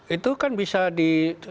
itu kan bisa di